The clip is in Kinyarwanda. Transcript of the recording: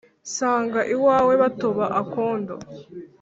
nsanga iwawe batoba akondo